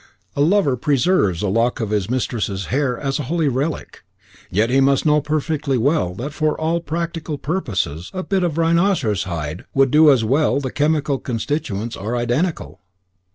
A lover preserves a lock of his mistress's hair as a holy relic, yet he must know perfectly well that for all practical purposes a bit of rhinoceros hide would do as well the chemical constituents are identical.